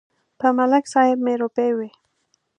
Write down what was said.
په ملک صاحب مې روپۍ وې.